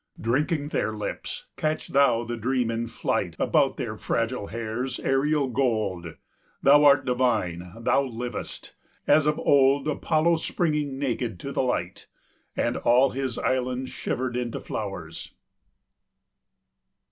Drinking their lips, catch thou the dream in flight About their fragile hairs' aerial gold. Thou art divine, thou livest, as of old Apollo springing naked to the light, And all his island shivered into flowers.